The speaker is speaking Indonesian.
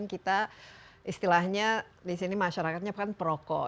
kita istilahnya di sini masyarakatnya kan perokok